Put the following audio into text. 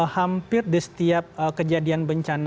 hampir di setiap kejadian bencana